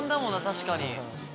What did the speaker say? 確かに。